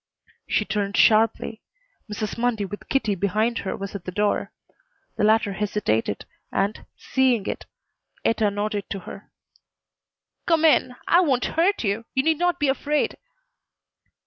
She turned sharply. Mrs. Mundy with Kitty behind her was at the door. The latter hesitated, and, seeing it, Etta nodded to her. "Come in. I won't hurt you. You need not be afraid."